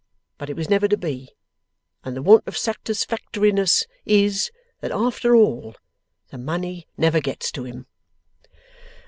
But it was never to be; and the want of satisfactoriness is, that after all the money never gets to him.